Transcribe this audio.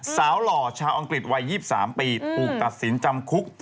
หล่อชาวอังกฤษวัย๒๓ปีถูกตัดสินจำคุก